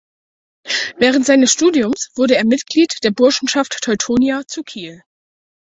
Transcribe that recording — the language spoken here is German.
Während seines Studiums wurde er Mitglied der Burschenschaft Teutonia zu Kiel.